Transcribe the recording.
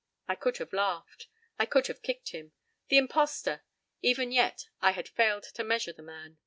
I could have laughed. I could have kicked him. The impostor! Even yet I had failed to measure the man.